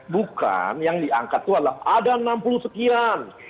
bukan yang diangkat itu adalah ada enam puluh sekian